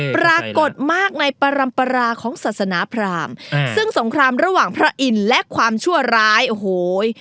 ปรากฏมากในปรัมปราของศาสนาพรามซึ่งสงครามระหว่างพระอินทร์และความชั่วร้ายโอ้โห